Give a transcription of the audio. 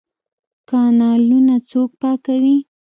کانالونه څوک پاکوي؟